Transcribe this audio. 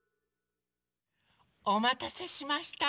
おまたせしました！